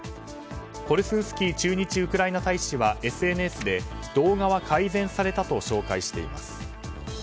コルコンスキー駐日ウクライナ大使はＳＮＳで動画は改善されたと紹介しています。